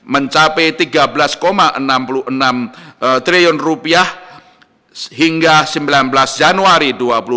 mencapai rp tiga belas enam puluh enam triliun hingga sembilan belas januari dua ribu dua puluh